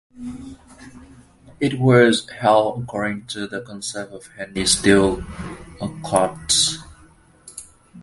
It was held according to the concept of Henry Steel Olcott.